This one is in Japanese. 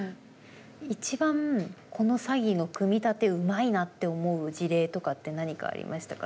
一番この詐欺の組み立てうまいなって思う事例とかって何かありましたか？